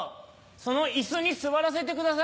その椅子に座らせてください。